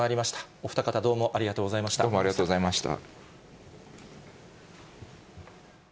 お二方、どうもありがとうございどうもありがとうございまし